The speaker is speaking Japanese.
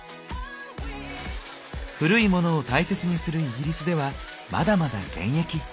古いモノを大切にするイギリスではまだまだ現役。